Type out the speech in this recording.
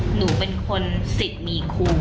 หนูเป็นคนสิทธิ์มีครู